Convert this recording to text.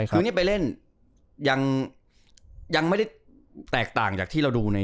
คือนี่ไปเล่นยังไม่ได้แตกต่างจากที่เราดูใน